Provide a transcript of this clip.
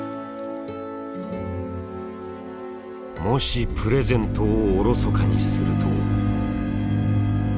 もしプレゼントをおろそかにすると。